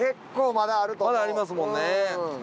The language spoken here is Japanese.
まだありますもんね。